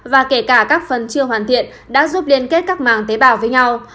và kể cả các phần chưa hoàn thiện đã giúp liên kết các màng tế bào với nhau